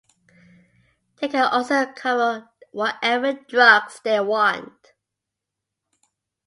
They can also cover whatever drugs they want.